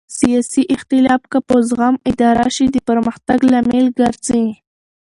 سیاسي اختلاف که په زغم اداره شي د پرمختګ لامل ګرځي